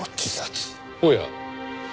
おや。